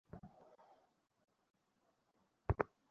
তা তো জানি না।